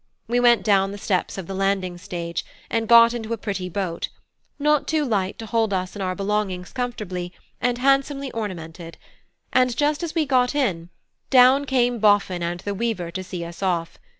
We went down the steps of the landing stage, and got into a pretty boat, not too light to hold us and our belongings comfortably, and handsomely ornamented; and just as we got in, down came Boffin and the weaver to see us off.